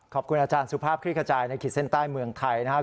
ขอบคุณอาจารย์สุภาพคลิกขจายในขีดเส้นใต้เมืองไทยนะครับ